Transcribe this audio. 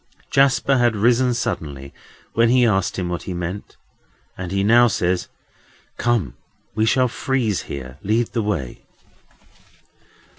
Jasper had risen suddenly, when he asked him what he meant, and he now says, "Come; we shall freeze here; lead the way."